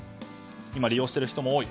今、利用している人も多い。